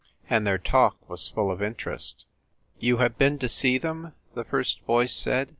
And their talk was full of interest. "You have been to see them? "the first voice said.